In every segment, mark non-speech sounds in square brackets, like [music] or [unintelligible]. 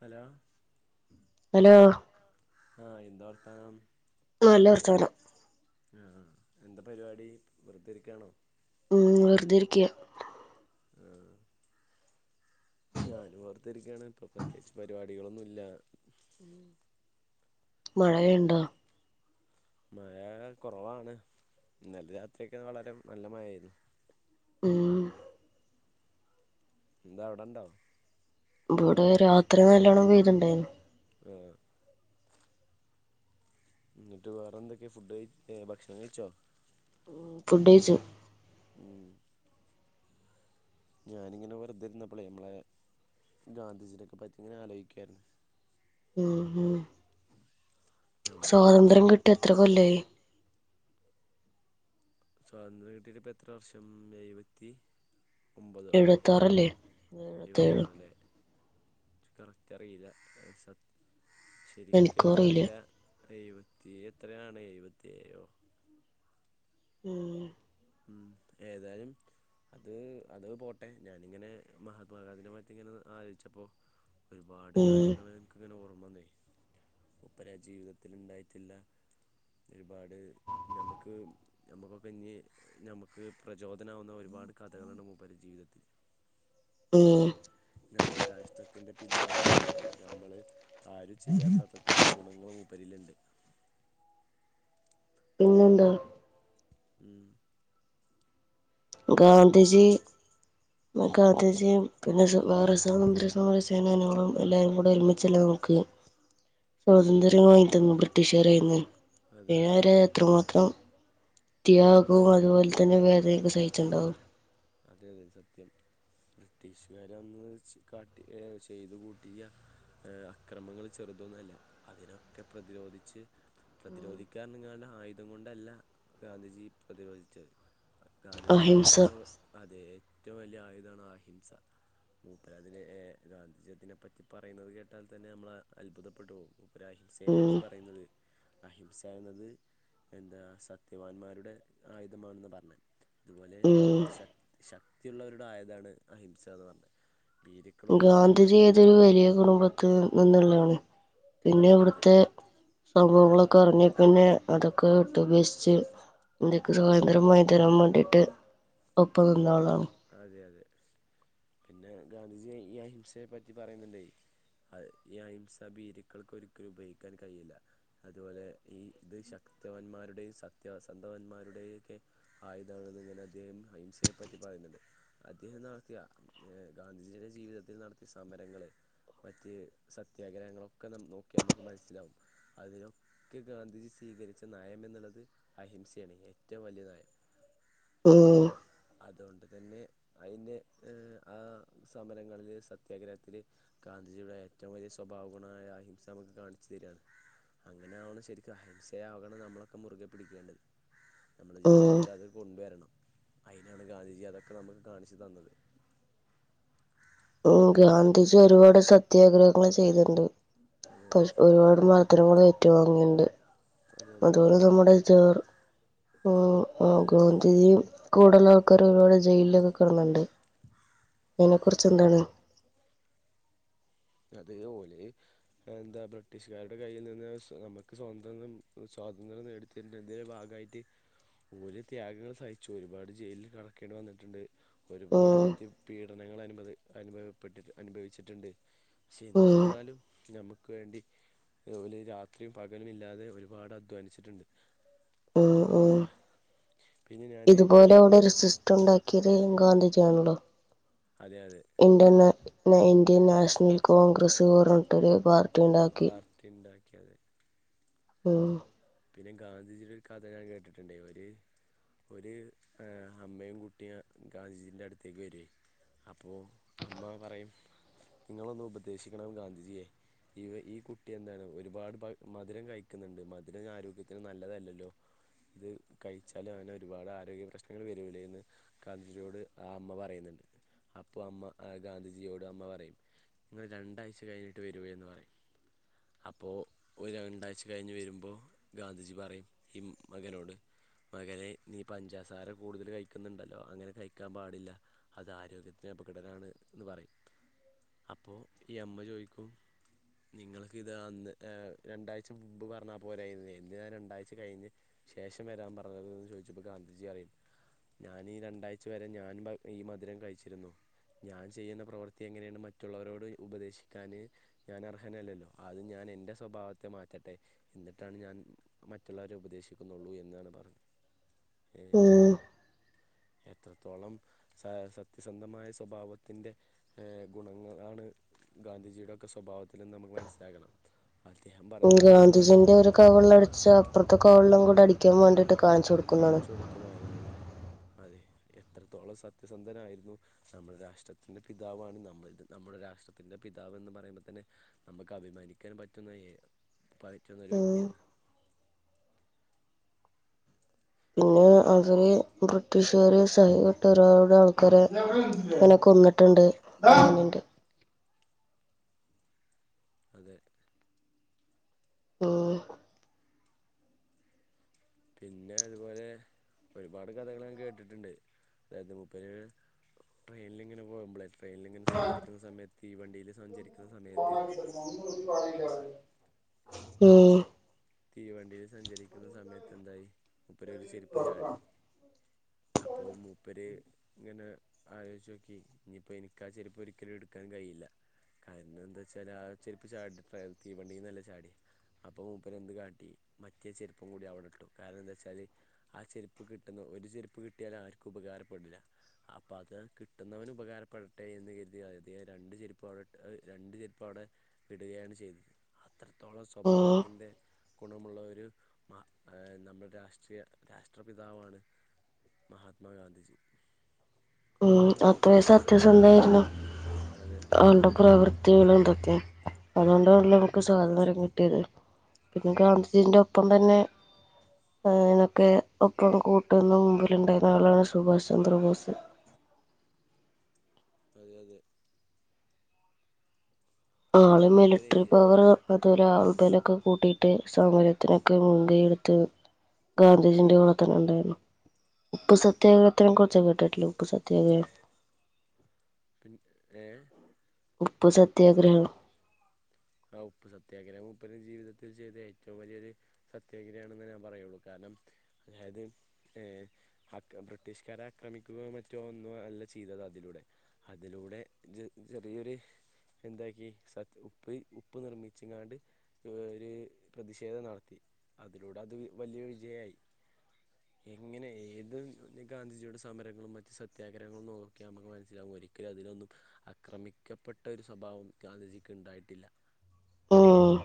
Hello hello ആഹ് എന്താ വർത്താനം ആ നല്ല വർത്താനം ആ എന്താ പരിവാടി വെറുതിരിക്കാണോ ഉം വെറുതെരിക്കയ ആ ഞാൻഓർത്തിരിക്കയാണ് ഇപ്പ പ്രതേകിച്ച് പരിപാടി കുടികളൊന്നുല്ല മഴയൊണ്ടോ മഴ കുറവാണ് ഇന്നല രാത്രിക്കെ വളരെ നല്ല മഴായിരുന്നു ഉം എന്താ അവ്ടെണ്ടോ ഇ ഇവിടെ രാത്രി നല്ലോണം പെയ്തിണ്ടായിന്നു ആഹ് എന്നിട്ട് വേറെ എന്തൊക്കെയാ ഫുഡ് കഴിച്ച ഭക്ഷണം കഴിച്ചോ ഫുഡേച്ചോ ഉം ഞാനിങ്ങെ വെറുെരുന്നപ്പോളേ നമ്മളെ ഗാന്ധിജിണെ ഒക്കെ പറ്റി ഇങ്ങനെ ആലോചിക്കുവായിരുന്നു ഉം ഉം നമ്മളെ സ്വാതന്ത്ര്യം കിട്ടിയ എത്ര കൊല്ലായി സ്വാതന്ത്ര്യം കിട്ടിട്ട് ഇപ്പ എത്ര വർഷം എഴുപത്തി ഒമ്പത് [unintelligible] എഴുപത്താറല്ലേ എഴുപത്തേഴോ എഴുവത്താറിലെ കറക്റ്റ് അറിയില്ല ശരിക്കും എനിക്കുറിയില്ല എനിക്കറില്ല എഴുപത്തി എത്രയാണ് എഴുപത്തെയോ ഉം ഉം ഏതാലും അത് അത് പോട്ടെ ഞാനിങ്ങനെ മഹാത്മാഗാന്ധിയന്റെ പറ്റിങ്ങനെ ആലോയ്ച്ചപ്പോ ഒരുപാട് ഉം കാര്യങ്ങൾ എനക്ക്ങ്ങനെ ഓർമ്മന്നേയ് ഒപ്പരാ ജീവിതത്തിൽണ്ടായിട്ടില്ല ഒരുപാട് നമ്മക്ക് നമ്മുക്കൊക്കെ ഇഞ്ഞ് ഞമക്ക് പ്രചോദനവുന്ന ഒരുപാട് കഥകളുണ്ട് മൂപ്പരെ ജീവിതത്തിൽ ഉം നമ്മുടെ രാഷ്ട്രത്തിന്റെ പിതാവാണ് നമ്മള് ആരും ചെയ്യാത്ത അത്രത്തോളം ഗുണങ്ങളും മൂപ്പരിലുണ്ട് പിന്നെന്താ ഉം ഗാന്ധിജി ഗാന്ധിജി പിന്നെ [unintelligible] സമര സേനാനികളും എല്ലാവരും കൂടെ ഒരുമിച്ചല്ലേ നമുക്ക് സോതത്ര്യം വങ്ങി തന്ന ട്ടിഷേർയ്യുന്നു അതെ പിന്നെ അവരത്രമാത്രം ത്യാഗവും അതുപോലെ തന്നെ വേറെയൊക്കെ സഹിച്ചുണ്ടാകും അതെ അതെ സത്യം ബ്രിട്ടീഷുകാര അന്ന് കാട്ടി ചെയ്തു കൂട്ടിയ ഏഹ് അക്രമങ്ങള് ചെറുതൊന്നല്ല അതിനൊക്കെ പ്രതിരോധിച്ച് പ്രതിരോധിക്കാറഞ്ഞ്ങ്ങാണ്ട് ആയുധം കൊണ്ടല്ല ഗാന്ധിജി പ്രതിരോധിച്ചത് ഗാന്ധിജിയുടെ അഹിംസ ഏറ്റവും അതെ ഏറ്റവും വലിയ ആയുധാണ് അഹിംസ മൂപ്പരതിനെ ഏഹ് ഗാന്ധിജയതിനെപ്പറ്റി പറയുന്നത് കേട്ടാൽ തന്നെ നമ്മള് അത്ഭുതപ്പെട്ടു പോകും ഒര അഹിംസയെപ്പറ്റി ഉം പറയ്ന്നത് അഹിംസ എന്നത് എന്താ സത്യവാന്മാരുടെ ആയുധമാണെന്ന് പറ്ഞ്ഞെ അതുപോലെ ഉം ശക് ശക്തിയുള്ളവരുടെ ആയുധാണ് അഹിംസാന്ന് പറ്ഞ്ഞെ ഗാന്ധിജി ഏതൊരു വലിയ കുടുംബത്തിൽ നിന്നുള്ളതാണ് പിന്നെ അതെ ഇവിടുത്തെ [unintelligible] ക്ക് സ്വാതന്ത്ര്യം വാങ്ങി തരാൻ വേണ്ടീട്ട് ഒപ്പം നിന്നാളാണ് അതെ അതെ പിന്നെ ഗാന്ധിജി ഈ അഹിംസയെ പറ്റി പറയുന്നുണ്ടേ അഹ് ഈ അഹിംസ ഭീരുക്കൾക്ക് ഒരിക്കലും ഉപയോഗിക്കാൻ കഴിയില്ല അതുപോലെ ഈ ഇത് ശക്തവന്മാരുടെയും സത്യവസന്ധവന്മാരുടെയും ഒക്കെ ആയതാണെന്ന്ങ്ങനെ അദ്ദേഹം അഹിംസയെ പറ്റി പറയ്ന്നുണ്ട് അദ്ദേഹം നടത്തിയ ഏഹ് ഗാന്ധിജിയുടെ ജീവിതത്തിൽ നടത്തിയ സമരങ്ങള് മറ്റ് സത്യാഗ്രഹങ്ങളൊക്കെ നം നോക്കിയമ്മക്ക് മനസ്സിലാവും അദ്ധേഹം ക്ക് ഗാന്ധിജി സ്വീകരിച്ച നയം എന്നുള്ളത് അഹിംസെയാണ് ഏറ്റവും വലിയ നയം ഉം [inaudible] അതുകൊണ്ട് തന്നെ അയിന് ആഹ് സമരങ്ങളില് സത്യാഗ്രഹത്തില് ഗാന്ധിജിയുടെ ഏറ്റവും വലിയ സ്വഭാവഗുണായ അഹിംസമ്മക്ക് കാണിച്ചു തെരാണ് അങ്ങനെയാവണം ശരിക് അഹിംസയാകണം നമ്മളൊക്കെ മുറുകെ പിടിക്കേണ്ടത് നമ്മടെ ഉം ജീവിതത്തിൽ അത് കൊണ്ടുവരണം അയിനാണ് ഗാന്ധിജി അതൊക്കെ നമുക്ക് കാണിച്ചു തന്നത് ഓ ഗാന്ധിജിയൊരുപാട് സത്യാഗ്രഹങ്ങള് ചെയ്ത്ണ്ട് അതെ ഒരുപാട് മർധനങ്ങൾ ഏറ്റുവാങ്ങീണ്ട് അതെ അതെ അതുപോലെ നമ്മുടെ ജവഹർ ആഹ് ഗാന്ധിജിയും കൂടള്ളാൾക്കാരൊക്കെ ഒരുപാട് ജയിലിലൊക്കെ കെട്ന്ന്ണ്ട് അയിനെ കുറിച്ചെന്താണ്? അതേ ഒലെ എന്താ ബ്രിട്ടീഷുകാരുടെ കയ്യിൽനിന്ന് നമ്മക്ക് സ്വതന്ത്ര്യം സ്വാതന്ത്ര്യം നേടി തിന്റെ ന്തേ ഭാഗായിട്ട് ഓല് ത്യാഗങ്ങൾ സഹിച്ചു ഒരുപാട് ജയിലില് കെടക്കേണ്ടി വന്ന്ട്ട്ണ്ട് ഒരുപാട് ഉം മറ്റ് പീഡനങ്ങള് അനു അനുഭവപ്പെട്ടിട്ട് അനുഭവിച്ചിട്ടുണ്ട് പക്ഷെ ഉം എന്നിരുന്നാലും നമ്മുക്ക് വേണ്ടി ഓല് രാത്രീം പകലും ഇല്ലാതെ ഒരുപാട് അധ്വാനിച്ചിട്ടുണ്ട് ആ ആ നമ്മള് രാ പിന്നെ ഞാന് ഒരു ഓരവിടെ ഇതുപോലെ അവിടൊരു സി ദ്ധണ്ടാക്കിയത് ഗാന്ധിജിയാണല്ലോ അതെ അതെ Indian Indian National Congress Congress പറഞ്ഞിട്ടൊരു പാർട്ടി പറ്ഞ്ഞൊരു ഉണ്ടാക്കി പാർട്ടിണ്ടാക്കിയത് ആഹ് പിന്നെ ഗാന്ധിജിയുടൊരു കഥ ഞാൻ കേട്ടിട്ടുണ്ടേ ഒര് ഒരു ഏഹ് അമ്മയും കുട്ടിയും ഗാന്ധിജീന്റട്ത്തേക്ക് വെരേനി അപ്പോ അമ്മ പറയും ഇങ്ങളൊന്ന് ഉപദേശിക്കണം ഗാന്ധിജിയെ ഈ ഈ കുട്ടി എന്താണ് ഒരുപാട് പ മധുരം കഴിക്കുന്നുണ്ട് മ ദുരം ആരോഗ്യത്തിന് നല്ലതല്ലല്ലോ ഇത് കഴിച്ചാലങ്ങനെ ഒരുപാട് ആരോഗ്യ പ്രശ്നങ്ങള് വരൂലേന്ന് കാന്ധിജിയോട് ആ അമ്മ പറീന്ന്ണ്ട് അപ്പൊ അമ്മ ഗാന്ധിജിയോട് അമ്മ പറയും നിങ്ങൾ രണ്ടാഴ്ച കഴിഞ്ഞിട്ട് വരൂയന്ന് പറയും അപ്പോ ഒരു രണ്ടാഴ്ച കഴിഞ്ഞ് വരുമ്പോ ഗാന്ധിജി പറയും ഹി മകനോട് മകനെ നീ പഞ്ചാസാര കൂടുതല് കഴിക്ക്ന്ന്ണ്ടല്ലോ അങ്ങനെ കഴിക്കാം പാടില്ല അത് ആരോഗ്യത്തിന് അപകടനാണ് എന്ന് പറയും അപ്പോ ഈ അമ്മ ചോയ്ക്കും നിങ്ങൾക്ക് ഇത് അന്ന് ഏ രണ്ടാഴ്ച മുമ്പ് പറഞ്ഞ പോരായി എന്തിനഞാൻ രണ്ടാഴ്ച കഴിഞ്ഞഞ് ശേഷം വരാൻ പറഞ്ഞത് എന്ന് ചോദിച്ചപ്പോൾ ഗാന്ധിജിയറിം ഞാനീ രണ്ടാഴ്ച വരെ ഞാൻപ ഈ മധുരം കഴിച്ചിരുന്നു ഞാൻ ചെയ്യ്ന്ന പ്രവൃത്തി എങ്ങനെയാണ് മറ്റുള്ളവരോട് ഉപദേശിക്കാന് ഞാനർഹനല്ലല്ലോ ആദ്യം ഞാനെന്റെ സ്വഭാവത്തെ മാറ്റട്ടെ എന്നിട്ടാണ് ഞാൻ മറ്റുള്ളവരെ ഉപദേശിക്കുന്നുള്ളൂ എന്നാണ് പറ ഏഹ് എത്രത്തോളം സ സത്യസന്ധമായ സ്വഭാവത്തിൻറ്റെ ഗുണങ്ങളണ് ഗാന്ധിജിയുടെൊക്കെ സ്വഭാവത്തിന്ന് നമുക്ക് മനസ്സിലാക്കണം അഅദ്ദേഹം പറയുന്നത് അജിന്റെ ഒരു കവളിൽ അടിച്ച അപ്പുറത്തെ കവളിൽ കൂടി അടിക്കാൻ വേണ്ടിയിട്ട് കാണിച്ചു കൊടുക്കുന്നതാണ് ക്കുമായിരുന്നു ന്നാ അതെ എത്രത്തോളം സത്യസന്ധനായിരുന്നു നമ്മുടെ രാഷ്ട്രത്തിന്റെ പിതാവാണ് നമ്മ നമ്മുടെ രാഷ്ട്രത്തിന്റെ പിതാവ്ന്ന് പറയുമ്പോ തന്നെ നമുക്ക് അഭിമാനിക്കാൻ പറ്റുന്ന മറ്റൊരു ഉം വ്യക്തിയാണ് പിന്നെ അവര് ബ്രിട്ടീഷുകാര് [inaudible] ആൾക്കര് കൊന്നിട്ടുണ്ട് അനുണ്ട് അദെ ഓഹ് പിന്നെ അതുപോലെ ഒരുപാട് കഥകള് ഞൻ കേട്ട്ട്ട്ണ്ട് തായത് [unintelligible] ട്രെയിൻ‌ലിങ്ങനെ പോകുമ്പളേ ട്രെയിന്‌ലിങ്ങന സഞ്ചരിക്കുന്ന സമയത്തീവണ്ടീല് സഞ്ചരിക്കുന്ന സമയത്ത് ഊം തീവണ്ടീൽ സഞ്ചരിക്കുന്ന സമയത്തെന്തായി മുപ്പര ഒര് ചെരുപ്പ് ചാടി അപ്പൊ മൂപ്പര് ഇങ്ങനെ ആലോയ്‌ചോക്കി ഞ്ഞിപ്പോ എനിക്കാ ചെരിപ്പൊരിക്കലു എടുക്കാൻ കഴിയില്ല കാരണം എന്താ വെച്ചാ ആ ചെരുപ്പ് ചാടി തീവണ്ടിനല്ലെ നല്ല ചാടിയെ അപ്പൊ പ്പരെന്ത് കാട്ടി മറ്റേ ചെരുപ്പും കൂടി അവടട്ടു കാരണം ന്താച്ചാല് ആ ചെരുപ്പ് കിട്ടുന്ന ഒരു ചെരുപ്പ് കിട്ടിയാൽ ആർക്കും ഉപകാരപ്പെടില്ല അപ്പ അത് കിട്ടുന്നവന് ഉപകാരപ്പെടട്ടെ എന്ന് കരുതി അതിയെ രണ്ട് ചെരുപ്പു അവിടട്ട് അഅ് രണ്ട് ചെരുപ്പു അവടെ പിടുകയാണ് ചെയ്ത് അത്രത്തോളം ഉം സ്വഭാവത്തിൻ്റെ ഗുണമുള്ളവര് നമ്മുടെ രാഷ്ട്രീയ രാഷ്ട്രപിതാവാണ് മഹാത്മാ ഗാന്ധിജ് ഊം. അ ത്രയ് സത്യസന്തായിരുന്നു അതെ അവള്ടെ പ്രവൃത്തികളും തൊക്കെ അതുകൊണ്ടണല്ലോ നമുക്ക് സ്വാതന്ത്ര്യം കിട്ടിയത് പിന്ന ഗാന്ധിജിന്റെ ഒപ്പം തന്നെ അ അതിനൊക്കെ ഒപ്പം കൂട്ടുന്ന മുമ്പില ഉണ്ടായിരുന്ന ആളാണ് സുഭാഷ്ചന്ദ്ര ബോസ് അതെയതെ ആള് പിന്നെ മൂപ്പരെ മിലിട്രി എന്താ പവറ് പ [unintelligible] ആൾബലൊക്കെ കൂട്ടീട്ട് സമരത്തിനൊക്കെ മുൻകൈ എടുത്ത് ഗാന്ധിജിന്റെ ഓടെ തന്നെ ഉണ്ടായിരുന്നു ഉപ്പുസത്യാഗ്രഹത്തിനെ കുറിച്ച് കേട്ടിട്ടില്ലെ ഉപ്പ് സത്യാഗ്രം എനി ഏഹ് ഉപ്പു സത്യാഗ്രഹണം ആ ഉപ്പ് സത്യാഗ്രഹം മൂപ്പരെ ജീവിതത്തിൽ ചെയ്ത ഏറ്റവും വലിയൊര് സത്യാഗ്രഹണെന്നാ ഞാൻ പറയുള്ളൂ കാരണം അതായത് ഏഹ് അക്രം ബ്രിട്ടീഷ്കാരെ ആക്രമിക്കുകയോ മറ്റോ ഒന്നും അല്ല ചെയ്തത് അതിലൂടെ അതിലൂടെ ജ് ചെറിയൊരു എന്താക്കി സത് പോയി ഉപ്പ് നിർമ്മിച്ച്ങ്ങാണ്ട് ക്യോ ഒരു പ്രതിഷേധം നടത്തി അതിലൂടെ അത് വലിയ വിജയായി. എങ്ങനെ ഏത് ഗാന്ധിജിയുടെ സമരങ്ങളും മറ്റു സത്യാഗ്രഹങ്ങളും നോക്കിയാ നമക്ക് മനസ്സിലാകും ഒരിക്കലും അതിലൊന്നും അക്രമിക്കപ്പെട്ട ഒരു സ്വഭാവം ഗാന്ധിജിക്ക് ണ്ടായിട്ടില്ല ഉം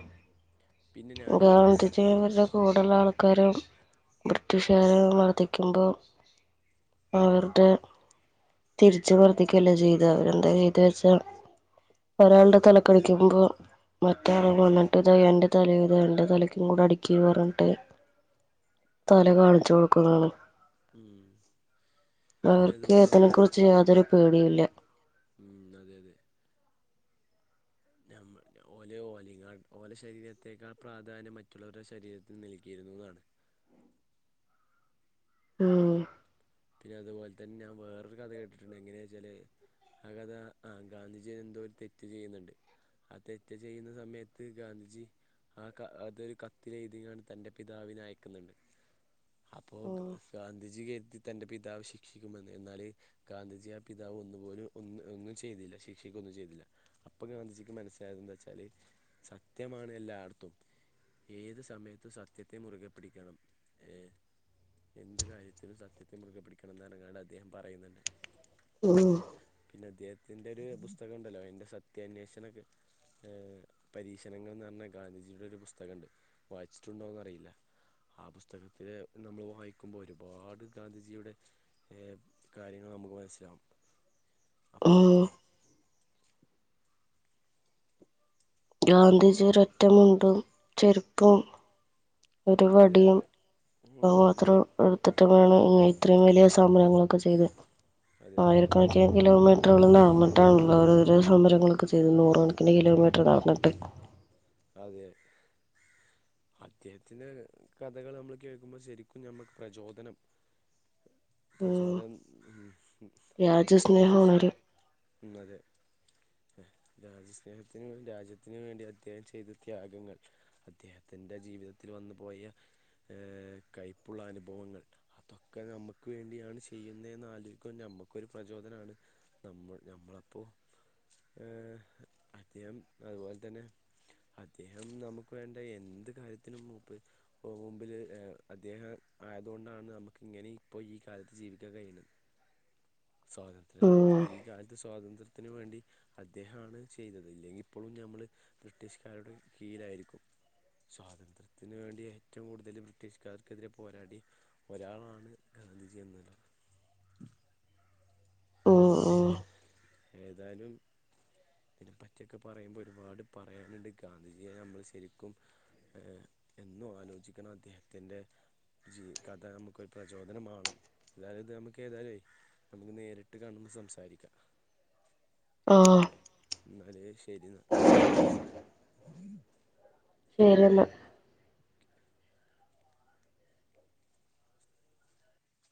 പിന്നെ ഞാന് വേറൊരു കാ- ഗാന്ധിജി അവരുടെ കൂടള്ള ആൾക്കാരും ബ്രിട്ടീഷുകാര് മർദ്ദിക്കുമ്പോ അവരുടെ തിരിച്ചു മർധിക്കല്ലേ ചെയ്ത് അവരെന്താ ചെയ്ത്ച്ചാ ഒരാളുടെ തലക്കടിക്കുമ്പോ മറ്റേ ആളതുംങ്ങനെ ട്ട്താ എന്റെ തലയിത എന്റെ തലക്കും കൂടെ അടിക്ക് പറഞ്ഞിട്ട് തല കാണിച്ചു കൊ ക്ലോ ഉം പിന്നെ അവർക്ക് അതുപോലെ അതിനെ ഞാന് കുറിച്ച് യാതൊരു പേടിയില്ല. ഉം അതെ അതെ നമ്മ ഓലെ ഓലീങ്ങാ ഓലെ ശരീരത്തേക്കാൾ പ്രാധാന്യം മറ്റുള്ളവരുടെ ശരീരത്തിന് നൽകിയിരുന്നുന്നാണ് ഉം പിന്നെ അതുപോലെ തന്നെ ഞാൻ വേറൊരു കഥ കേട്ടിട്ടുണ്ട് എങ്ങെനേന്നച്ചാല് ആഹ് കഥ ആഹ് ഗാന്ധിജിയെന്തോ ഒരു തെറ്റ് ചെയ്യുന്നുണ്ട് ആഹ് തെറ്റ് ചെയ്യുന്ന സമയത്ത് ഗാന്ധിജി ആകാ അതൊരു കത്തിൽ എഴുതിങ്ങാണ്ട് തന്റെ പിതാവിന് അയക്കുന്നുണ്ട്. അപ്പോ ഗാന്ധിജി കരുതി തന്റെ പിതാവ് ശിക്ഷിക്കുമെന്ന് എന്നാല് ഗാന്ധിജിയെ ആഹ് പിതാവ് ഒന്നു പോലും ഒന്നും ഒന്നും ചെയ്തില്ല ശിക്ഷിക്ക ഒന്നും ചെയ്തില്ല. അപ്പൊ ഗാന്ധിജിക്ക് മനസ്സിലാകും ന്താ വെച്ചാല് സത്യമാണ് എല്ലായിടത്തും ഏത് സമയത്തും സത്യത്തെ മുറുകെ പിടിക്കണം ഏഹ് എന്ത് കാര്യത്തിലും സത്യത്തെ മുറുകെ പിടിക്കണമെന്നങ്ങാണ്ടാണ് അദ്ദേഹം പറയുന്നുണ്ട്. ഉം പിന്നെ അദ്ദേഹത്തിന്റെറെ ഒരു പുസ്തകം ഉണ്ടല്ലോ എന്റെ സത്യന്വേഷണ ക ഏഹ് പരീക്ഷണങ്ങൾ എന്ന് റഞ്ഞ ഗാന്ധിജിയുടെ ഒരു പുസ്തകംണ്ട് വായിച്ചിട്ടുണ്ടോന്ന് അറിയില്ല. ആഹ് പുസ്തകത്തില് നമ്മൾ വായിക്കുമ്പോ ഒരുപാട് ഗാന്ധിജിയുടെ ഏഹ് കാര്യങ്ങള് നമുക്ക് മനസ്സിലാകും. അപ്പോ ഉം ഗാന്ധിജി ഒരു ഒറ്റമുണ്ടും ചെരുപ്പും ഒരു അതെ വടിയും അതെ ഉം അത് മാത്രം അതെ എടുത്തിട്ടന്നേണ് ഇങ്ങന ഇത്രയും വലിയ സമരങ്ങളൊക്കെ ചെയ്ത് അതെ അതെ ആയിര ക്കണക്കിന് കിലോമീറ്ററുകള് നടന്ന്ട്ടാണല്ലോ ഓരോരോ സമരങ്ങളൊക്കെ ചെയ്തത് നൂറുകണക്കിന് കിലോമീ റ്റർ നടന്നിട്ടെ അതെ അദ്ദേഹത്തിന്റെ കഥകൾ നമ്മൾ കേൾക്കുമ്പോ ശരിക്കും ഞമ്മക്ക് പ്രചോദനം ഉം പ്രചോദനം ഉം ഉം അത്രത്തോളം പ്രചോ രാജ്യസ്നേഹമാണൊരു ഉം അതെ രാജസ്നേഹത്തിന് രാജ ജ്യത്തിന് വേണ്ടി അദ്ദേഹം ചെയ്ത ത്യാഗങ്ങൾ അദ്ദേഹത്തിന്റെ ജീവിതത്തിൽ വന്നു പോയ ഏഹ് കയ്പ്പുള്ള അനുഭവങ്ങൾ അതൊക്കെ നമ്മുക്ക് വേണ്ടിയാണ് ചെയ്യുന്നെന്ന് ആലോയിക്കുമ്പോ നമ്മക്കൊരു പ്രചോദനാണ്. നമ്മൾ നമ്മളപ്പോ ഏഹ് അദ്ദേഹം അതുപോലെ തന്നെ അദ്ദേഹം നമുക്ക് വേണ്ട എന്ത് കാര്യത്തിനുംമൂപ്പ് പോമ്പില് ഏഹ് അദ്ദേഹം ആയതുകൊണ്ടാണ് നമുക്ക് ഇങ്ങനേം ഇപ്പോ ഈ കാലത്ത് ജീവിക്കാൻ കഴിയുന്നത്. സ്വാതന്ത്ര്യ ഉം ഈ കാലത്ത് സ്വാതന്ത്ര് ത്തിന് വേണ്ടി അദ്ദേഹാണ് ചെയ്തത് ഇല്ലെങ്കിൽ ഇപ്പളും ഞമ്മള് ബ്രിട്ടീഷുകാരുടെ കീഴായിരിക്കും സ്വാതന്ത്ര്യത്തിന് വേണ്ടി ഏറ്റവും കൂടുതൽ ബ്രിട്ടീഷുകാർക്കെതിരെ പോരാടി ഒരാളാണ് ഗാന്ധിജി എന്ന് ഉം ഉം ഏതായലും അതിനെ പറ്റിഒക്കെ പറയുമ്പോയ് ഒരുപാട് പറയാനുണ്ട് ഗാന്ധിജിയെ നമ്മള് ശെരിക്കും ഏ.. എന്നും ആലോചിക്കണം. അദ്ദേഹത്തി്ൻ്റെ ജീ കഥ നമുക്കൊരു പ്രചോദനമാണം അതായാലും ഇത് നമുക്ക് ഏതായാലും നമുക്ക് നേരി ട്ട് കാണുമ്പോ സംസാരിക്ക ആ ഇന്നാല് ശരി ന്നാ [unintelligible]